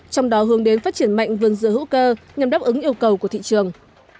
trong đó hướng đến phát triển mạnh vươn dựa hữu cơ nhằm đáp ứng yêu cầu của thị trường